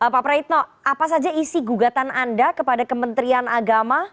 pak praitno apa saja isi gugatan anda kepada kementerian agama